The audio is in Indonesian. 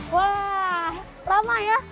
wah ramai ya